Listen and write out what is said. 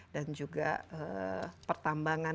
dan juga pertambangan